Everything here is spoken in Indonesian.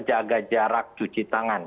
jaga jarak cuci tangan